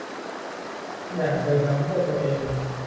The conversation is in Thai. ทุกอย่างเธอทำด้วยตัวเอง